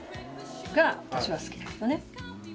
が私は好きだけどね。